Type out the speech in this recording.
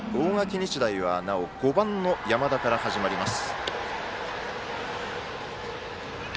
日大は５番の山田から始まります。